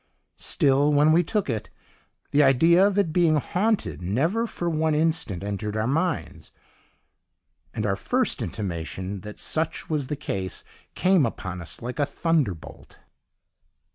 "Still, when we took it, the idea of it being haunted never for one instant entered our minds, and our first intimation that such was the case came upon us like a thunderbolt.